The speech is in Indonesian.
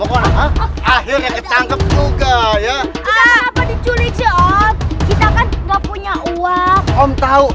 akhirnya kecangkep juga ya apa diculik kita kan enggak punya uang om tahu